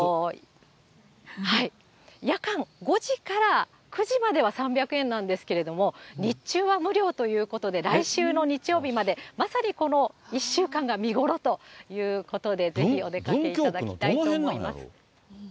夜間５時から９時までは３００円なんですけれども、日中は無料ということで、来週の日曜日まで、まさにこの１週間が見頃ということで、ぜひお出かけいただきたいと思います。